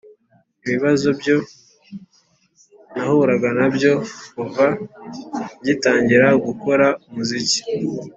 ibibazo byo nahuraga na byo kuva ngitangira gukora umuziki